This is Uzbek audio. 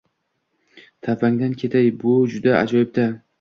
Tavbangdan ketay, bu juda ajoyib-da!